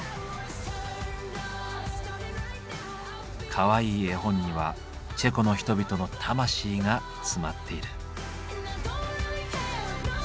かわいい絵本にはチェコの人々の魂が詰まっている。